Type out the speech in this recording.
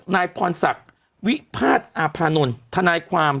นายพรศกวิพาสอาพานนทานายความ